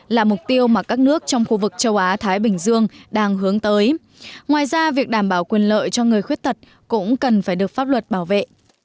là mục tiêu mà các nước trong khu vực châu á thái bình dương đang hướng tới ngoài ra việc đảm bảo quyền lợi cho người khuyết tật cũng cần phải được pháp luật bảo vệ